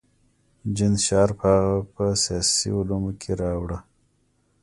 جین شارپ هغه په سیاسي علومو کې راوړه.